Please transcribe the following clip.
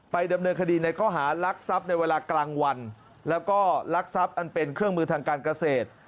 ดำเนินคดีในข้อหารักทรัพย์ในเวลากลางวันแล้วก็ลักทรัพย์อันเป็นเครื่องมือทางการเกษตร